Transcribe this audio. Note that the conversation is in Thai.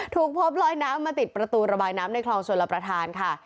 ถูกพบลอยน้ำมาติดประตูระบายน้ำในคลองชลประธานค่ะ